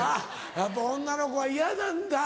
やっぱり女の子は嫌なんだ。